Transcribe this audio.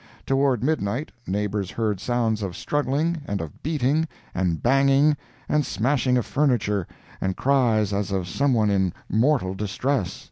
Toward midnight, neighbors heard sounds of struggling, and of beating, and banging, and smashing of furniture, and cries as of someone in mortal distress.